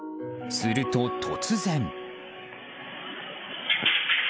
すると突然。